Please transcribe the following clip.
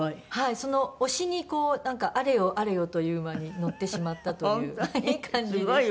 その押しにこうなんかあれよあれよという間に乗ってしまったという感じでした。